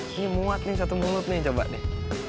gini muat nih satu mulutnya coba deh